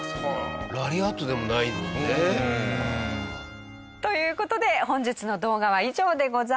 ラリアットでもないもんね。という事で本日の動画は以上でございます。